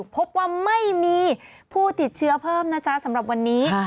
พบว่าไม่มีผู้ติดเชื้อเพิ่มนะจ๊ะสำหรับวันนี้